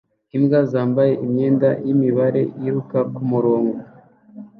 Imbwa zambaye imyenda yimibare iruka kumurongo